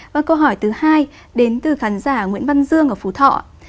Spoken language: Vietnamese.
và câu hỏi thứ hai đến từ khán giả nguyễn văn dương ở phú thọ